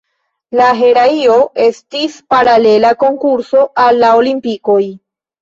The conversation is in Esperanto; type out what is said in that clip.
La heraio estis paralela konkurso al la Olimpikoj.